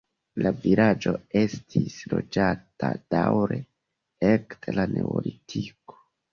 La vilaĝo estis loĝata daŭre ekde la neolitiko.